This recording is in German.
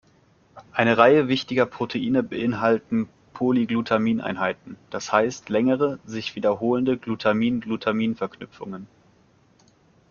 Eine Reihe wichtiger Proteine beinhalten Polyglutamin-Einheiten, das heißt längere, sich wiederholende Glutamin-Glutamin-Verknüpfungen.